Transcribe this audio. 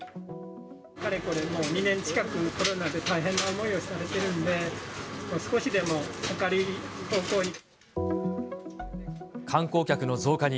かれこれもう２年近く、コロナで大変な思いをさせられているんで、少しでも明るい方向に。